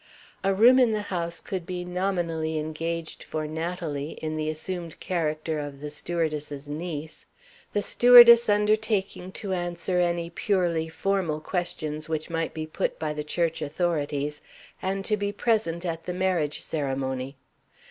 A room in the house could be nominally engaged for Natalie, in the assumed character of the stewardess's niece the stewardess undertaking to answer any purely formal questions which might be put by the church authorities, and to be present at the marriage ceremony.